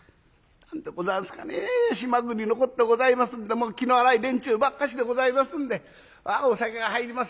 「何でございますかね島国のこってございますんで気の荒い連中ばっかしでございますんでお酒が入ります